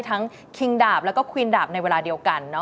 คิงดาบแล้วก็ควีนดาบในเวลาเดียวกัน